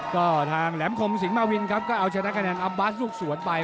ก็ทางแหลมคมสิงหมาวินครับก็เอาชนะคะแนนอัพบาสลูกสวนไป